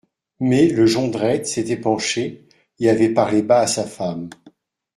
Mais le Jondrette s'était penché, et avait parlé bas à sa femme.